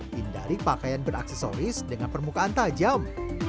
hindari pakaian beraksisoris dengan permukaan tajam